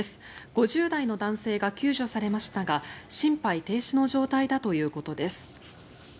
５０代の男性が救助されましたが心肺停止の状態だということです。